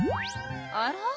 あら？